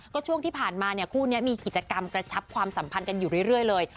ก็ช่วงที่ผ่านมาเนี่ยคู่นี้มีกิจกรรมกระชับความสัมพันธ์กันอยู่เรื่อยเลย